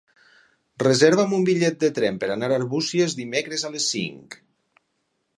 Reserva'm un bitllet de tren per anar a Arbúcies dimecres a les cinc.